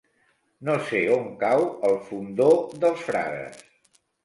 No sé on cau el Fondó dels Frares.